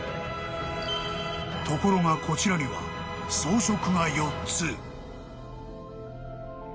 ［ところがこちらには装飾が４つ］